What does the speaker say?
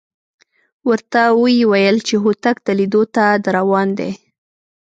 ورته وېویل چې هوتک د لیدو ته درروان دی.